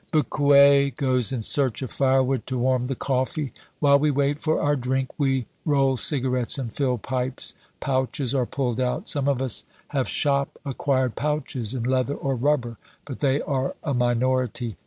Becuwe goes in search of firewood to warm the coffee. While we wait for our drink, we roll cigarettes and fill pipes. Pouches are pulled out. Some of us have shop acquired pouches in leather or rubber, but they are a minority.